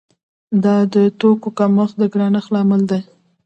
یا د توکو کمښت د ګرانښت لامل دی؟